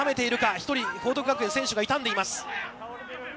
１人、報徳学園の選手が痛んでいます。